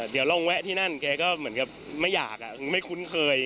เดี๋ยวลองแวะที่นั่นแกก็เหมือนกับไม่อยากไม่คุ้นเคย